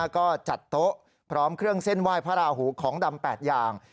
ก็จัดโต๊ะพร้อมเครื่องเส้นไหว้พระราหูของดำ๘อย่าง